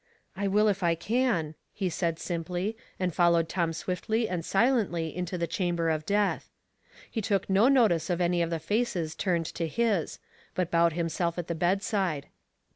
" I will if I can," he said, simply, and followed Tom swiftly and silently into the chamber of death. He took no notice of any of the faces turned to his, but bowed himself at the bedside.